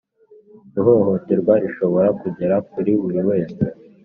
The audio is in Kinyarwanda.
Ihohoterwa rishobora kugera kuri buri wese,